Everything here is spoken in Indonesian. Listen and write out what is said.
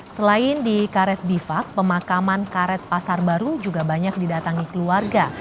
selain di karet bifak pemakaman karet pasar baru juga banyak didatangi keluarga